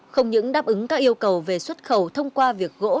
không những đáp ứng các yêu cầu về xuất khẩu thông qua việc gỗ